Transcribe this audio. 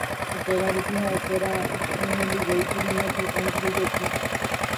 Upéva rupi ha'ekuéra noñanduvéikuri ñati'ũ jejopi